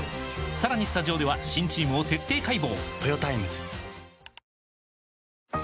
さらにスタジオでは新チームを徹底解剖！